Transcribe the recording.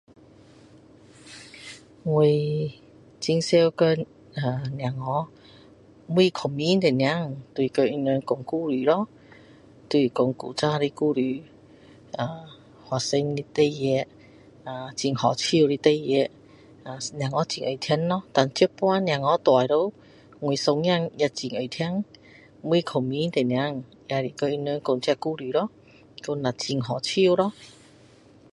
我很常跟小孩我睡觉时间就跟他们讲故事咯就是讲以前的故事呃发生的事情很好笑的事情小孩很爱听 nor 所以小孩大了我孙子也很爱听我睡觉的之后也跟他们说这些故事咯讲了很好笑